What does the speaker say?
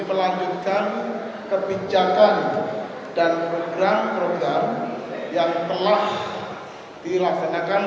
melanjutkan kebijakan dan program program yang telah dilaksanakan